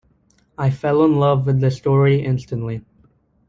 I fell in love with the story instantly.